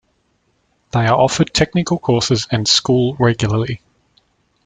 They are offered technical courses and school regularly.